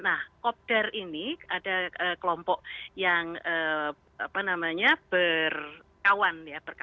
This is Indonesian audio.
nah kopdar ini ada kelompok yang berkawan